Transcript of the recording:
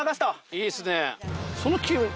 いいですね。